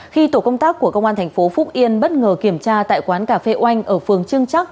khi tổ công tác của công an tp phúc yên bất ngờ kiểm tra tại quán cà phê oanh ở phường trương chắc